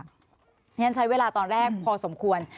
เพราะฉะนั้นใช้เวลาตอนแรกพอสมควร